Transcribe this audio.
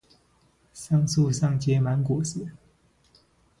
桑樹上結滿了果實